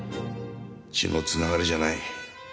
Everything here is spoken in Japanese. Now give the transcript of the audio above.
血の繋がりじゃない。